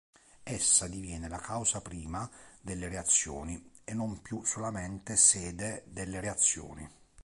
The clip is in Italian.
Essa diviene la causa prima delle reazioni e non più solamente sede delle reazioni.